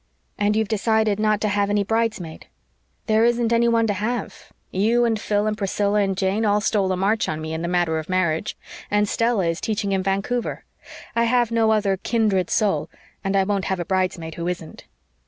"And you've decided not to have any bridesmaid?" "There isn't any one to have. You and Phil and Priscilla and Jane all stole a march on me in the matter of marriage; and Stella is teaching in Vancouver. I have no other 'kindred soul' and I won't have a bridesmaid who isn't."